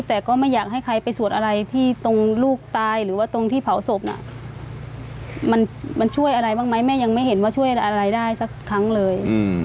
แต่ก็ไม่อยากให้ใครไปสวดอะไรที่ตรงลูกตายหรือว่าตรงที่เผาศพน่ะมันช่วยอะไรบ้างไหมแม่ยังไม่เห็นว่าช่วยอะไรได้สักครั้งเลย